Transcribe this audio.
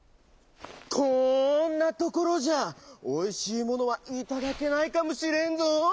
こんなところじゃおいしいものはいただけないかもしれんぞ。